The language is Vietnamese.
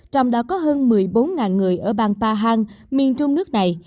trong đó có hơn một mươi bốn người ở bang pahang miền trung nước này